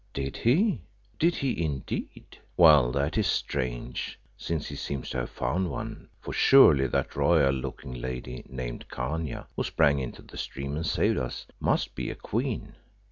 "Did he? Did he, indeed? Well, that is strange since he seems to have found one, for surely that royal looking lady, named Khania, who sprang into the stream and saved us, must be a queen."